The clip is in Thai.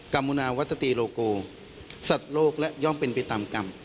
มุนาวัตตีโลโกสัตว์โลกและย่อมเป็นไปตามกรรม